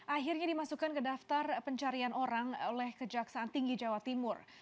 akhirnya dimasukkan ke daftar pencarian orang oleh kejaksaan tinggi jawa timur